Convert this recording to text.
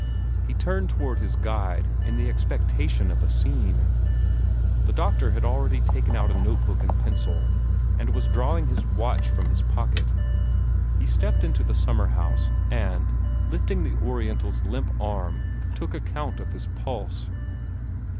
He turned toward his guide in the expectation of a scene. The doctor had already taken out a note book and pencil, and was drawing his watch from his pocket. He stepped into the summer house, and, lifting the Oriental's limp arm, took account of his pulse.